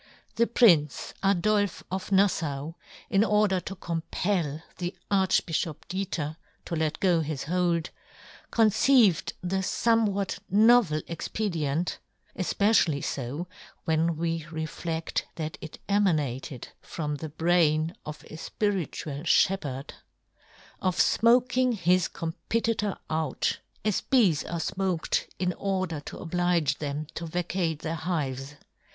The prince Adolfe of Nafl^au, in order to compel the Archbifhop Diether to let go his hold, conceived the fomewhat novel expedient, (efpecially fo, when we refledl that it emanated from the yohn Gutenberg. 71 brain of a fpiritual fhepherd,) of fmoking his competitor out, as bees are fmoked in order to oblige them to vacate their hives.